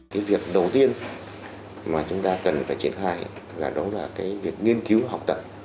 cái việc đầu tiên mà chúng ta cần phải triển khai là đó là cái việc nghiên cứu học tập